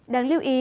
đáng lưu ý